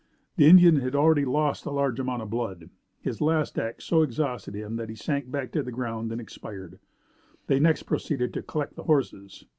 The Indian had already lost a large amount of blood. His last act so exhausted him that he sank back upon the ground and expired. They next proceeded to collect the horses.